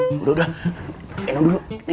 iya allah apa yang terjadi